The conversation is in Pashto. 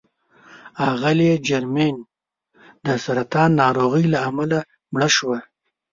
اغلې جرمین د سرطان ناروغۍ له امله مړه شوه.